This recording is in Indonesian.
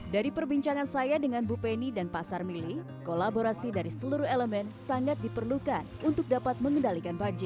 dari perbincangan saya dengan bu penny dan pak sarmili kolaborasi dari seluruh elemen sangat diperlukan untuk dapat mengendalikan banjir